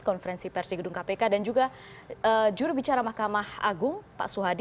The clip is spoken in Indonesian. konferensi pers di gedung kpk dan juga juru bicara mahkamah agung pak suhadi